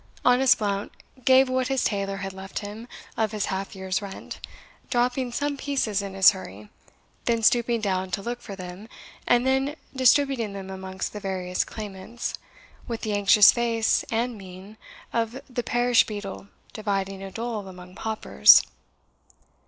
Honest Blount gave what his tailor had left him of his half year's rent, dropping some pieces in his hurry, then stooping down to look for them, and then distributing them amongst the various claimants, with the anxious face and mien of the parish beadle dividing a dole among paupers.